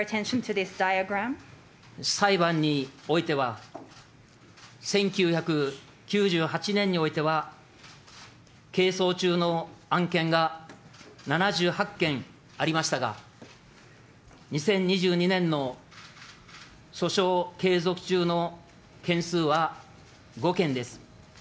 裁判においては、１９９８年においては、係争中の案件が７８件ありましたが、２０２２年の訴訟継続中の件数は５件です。